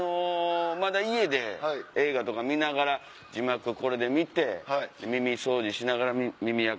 家で映画とか見ながら字幕これで見て耳掃除しながら耳あか。